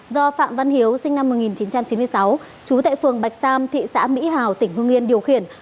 do phạm văn hiếu sinh năm một nghìn chín trăm chín mươi sáu trú tại phường bạch sam thị xã mỹ hào tỉnh hương yên điều khiển